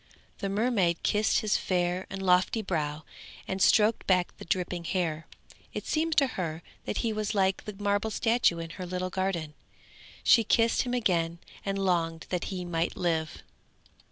The mermaid kissed his fair and lofty brow, and stroked back the dripping hair; it seemed to her that he was like the marble statue in her little garden; she kissed him again and longed that he might live.